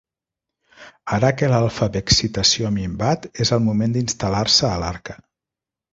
Ara que l'alfabexcitació ha minvat, és el moment d'instal·lar-se a l'Arca.